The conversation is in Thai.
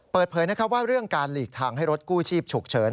เปิดเผยว่าเรื่องการหลีกทางให้รถกู้ชีพฉุกเฉิน